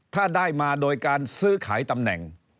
ถ้าได้มาโดยการซื้อขายตำแหน่ง